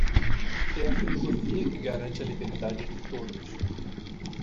É a filosofia que garante a liberdade de todos.